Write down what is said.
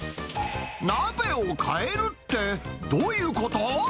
鍋を換えるって、どういうこと？